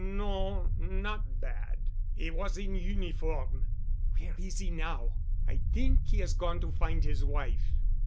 "No—not bad. He was in uniform." "Where is he now?" "I think he has gone to find his wife."